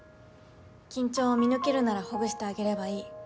緊張を見抜けるならほぐしてあげればいい。